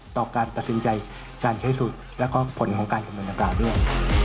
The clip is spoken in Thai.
ต่อการตัดสินใจการใช้สูตรแล้วก็ผลของการคำนวณดังกล่าวด้วย